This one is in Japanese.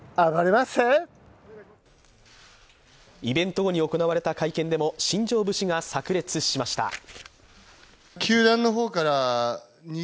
イベント後に行われた会見でも新庄節がさく裂しました。